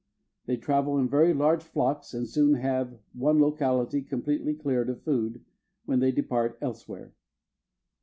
They travel in very large flocks and soon have one locality completely cleared of food, when they depart elsewhere.